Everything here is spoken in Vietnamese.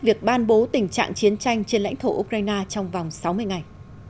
việc ban bố tình trạng chiến tranh trên lãnh thổ ukraine trong vòng sáu mươi ngày